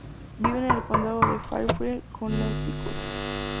Viven en el condado de Fairfield, Connecticut.